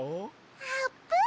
あーぷん！